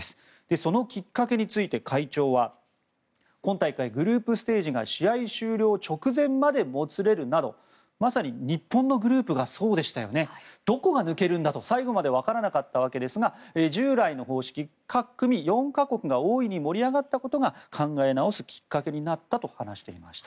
そのきっかけについて、会長は今大会、グループステージが試合終了直前までもつれるなどまさに日本のグループがそうでしたよね。どこが抜けるんだと、最後までわからなかったわけですが従来の方式各組４か国が大いに盛り上がったことが考え直すきっかけになったと話していました。